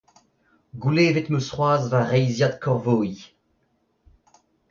Goulevet 'm eus c'hoazh va reizhiad korvoiñ.